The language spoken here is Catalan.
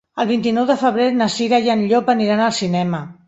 El vint-i-nou de febrer na Cira i en Llop aniran al cinema.